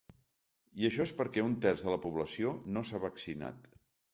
I això és perquè un terç de la població no s’ha vaccinat.